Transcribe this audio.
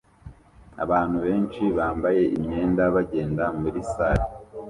Abantu benshi bambaye imyenda bagenda muri salle